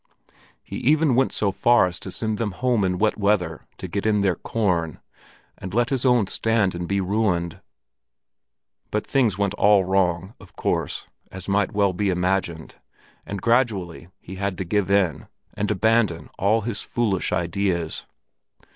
He even went so far as to send them home in wet weather to get in their corn, and let his own stand and be ruined. But things went all wrong of course, as might well be imagined, and gradually he had to give in, and abandon all his foolish ideas.